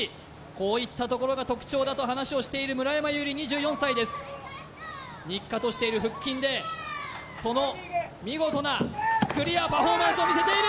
こういったところが特徴だと話をしている村山彩希２４歳です日課としている腹筋でその見事なクリアパフォーマンスを見せている！